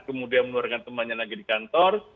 kemudian menurunkan temannya lagi di kantor